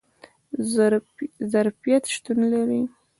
ظرفیت شتون لري